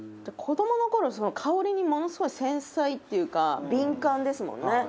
子どもの頃その香りにものすごい繊細っていうか敏感ですもんね。